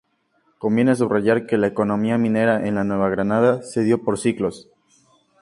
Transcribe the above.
Conviene subrayar que la economía minera en la Nueva Granada se dio por ciclos.